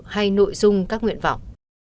hay nội dung các nguyện vọng